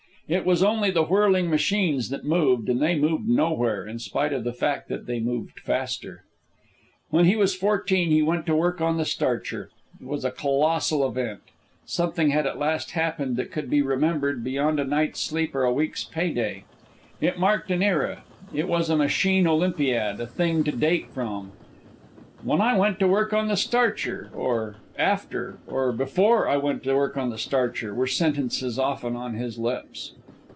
It was only the whirling machines that moved, and they moved nowhere in spite of the fact that they moved faster. When he was fourteen, he went to work on the starcher. It was a colossal event. Something had at last happened that could be remembered beyond a night's sleep or a week's pay day. It marked an era. It was a machine Olympiad, a thing to date from. "When I went to work on the starcher," or, "after," or "before I went to work on the starcher," were sentences often on his lips.